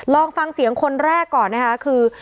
ลองฟังเสียงคนแรกก่อนนะคะคือ